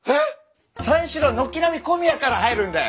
⁉三四郎は軒並み小宮から入るんだよ。